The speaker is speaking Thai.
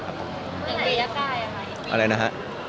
อะไรนะฮะ